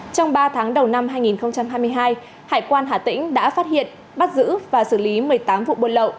trong ba tháng đầu năm hai nghìn hai mươi hai hải quan hà tĩnh đã phát hiện bắt giữ và xử lý một mươi tám vụ buôn lậu